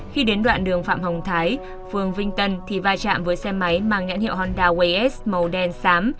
khi đến đoạn đường phạm hồng thái phường vinh tân thì vai trạm với xe máy mang nhãn hiệu honda was màu đen xám